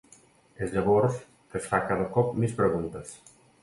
És llavors que es fa cada cop més preguntes.